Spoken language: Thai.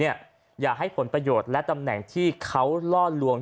อย่าให้ผลประโยชน์และตำแหน่งที่เขาล่อลวง